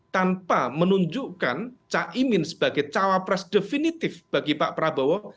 tanpa menunjukkan caimin sebagai cawapres definitif bagi pak prabowo